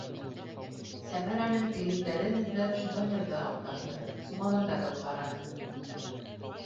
Сәмәрәнең кейемдәрен эҙләп шифоньерҙы аҡтарҙы, сумаҙандарын ҡараны.